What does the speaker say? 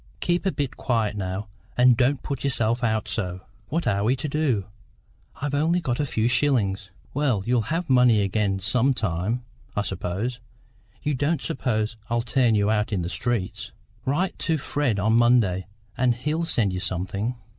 Keep a bit quiet now, and don't put yourself out so." "What are we to do? I've only got a few shillings " "Well, you'll have money again some time, I suppose. You don't suppose I'll turn you out in the streets? Write to Fred on Monday, and he'll send you something."